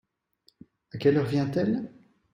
À quelle heure vient-elle ?